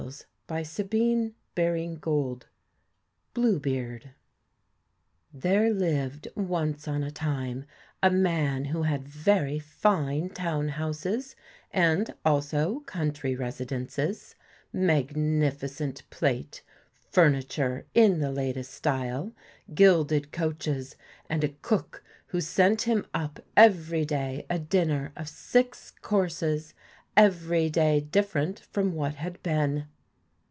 159 BLUE BEARD BLUE BEARD 1HERE lived, once on a time, a man who had very fine town houses, and also country residences, magnificent plate, furniture in the latest style, gilded coaches, and a cook who sent him up every day a dinner of six courses every day different from what had been.